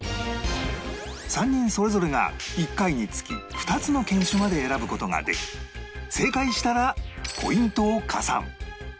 ３人それぞれが１回につき２つの犬種まで選ぶ事ができ正解したらポイントを加算